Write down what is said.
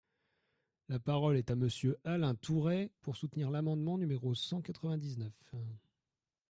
La parole est à Monsieur Alain Tourret, pour soutenir l’amendement numéro cent quatre-vingt-dix-neuf.